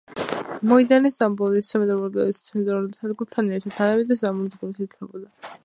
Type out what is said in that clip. მოედანი, სტამბოლის მეტროპოლიტენის ცენტრალურ სადგურთან ერთად, თანამედროვე სტამბოლის გულად ითვლება.